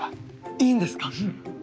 いいんですか！？